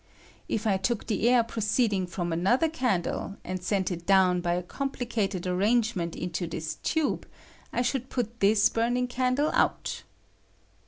If I took the air proceeding from another can dle, and sent it down by a complicated ar langement into this tube, I should put this burning candle out.